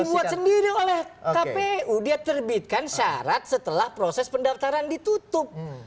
dibuat sendiri oleh kpu dia terbitkan syarat setelah proses pendaftaran ditutup